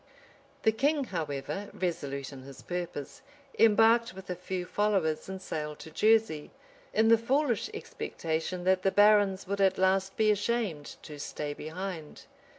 [] The king, however, resolute in his purpose, embarked with a few followers, and sailed to Jersey, in the foolish expectation that the barons would at last be ashamed to stay behind.